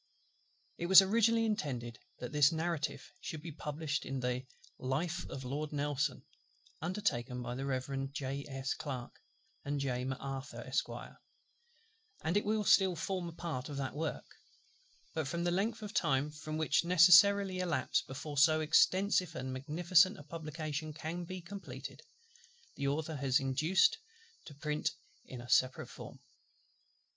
It was originally intended that this Narrative should be published in the LIFE OF LORD NELSON, undertaken by the Rev. J.S. CLARKE and J. M'ARTHUR, Esq. and it will still form a part of that Work; but from the length of time which must necessarily elapse before so extensive and magnificent a Publication can be completed, the Author has been induced to print it in a separate form.